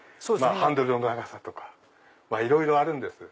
ハンドルの長さとかいろいろあるんです。